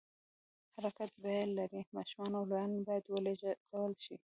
حرکت بیه لري، ماشومان او لویان باید ولېږدول شي.